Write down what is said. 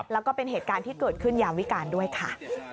แล้วก็เป็นเหตุการณ์ที่เกิดขึ้นยามวิการด้วยค่ะ